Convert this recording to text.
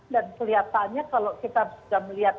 dan kelihatannya kalau kita sudah melihat